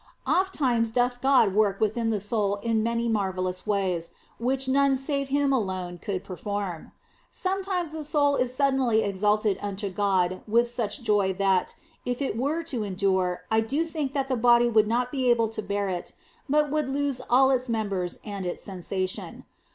Ofttimes doth God work within the soul in many mar vellous ways, which none save He alone could perform. Sometimes the soul is suddenly exalted unto God with such joy that, if it were to endure, I do think that the body would not be able to bear it, but would lose all its members and its sensation.